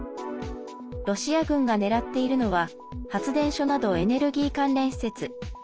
ロシア軍が狙っているのは発電所などエネルギー関連施設。